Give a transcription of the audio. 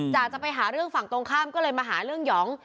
จะไปหาเรื่องฝั่งตรงข้ามก็เลยมาหาเรื่องหยอง